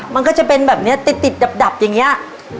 มันก็จะเป็นแบบนี้ติดดับอย่างนี้